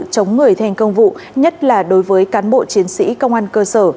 chống người thành công vụ nhất là đối với cán bộ chiến sĩ công an cơ sở